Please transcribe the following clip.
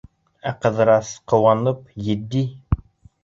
Ә Ҡыҙырас, ҡыуанып, етди: